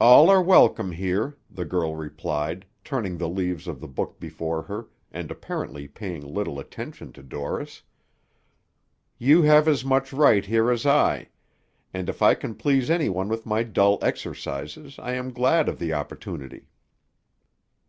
"All are welcome here," the girl replied, turning the leaves of the book before her, and apparently paying little attention to Dorris. "You have as much right here as I, and if I can please anyone with my dull exercises, I am glad of the opportunity."